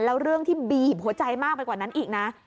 แล้วเรื่องที่บีบหัวใจมากไปกว่านั้นอีกนะ